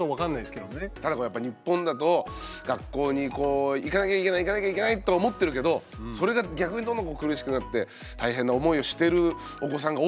ただこれやっぱ日本だと学校にこう行かなきゃいけない行かなきゃいけないと思ってるけどそれが逆にどんどんこう苦しくなって大変な思いをしてるお子さんが多くて。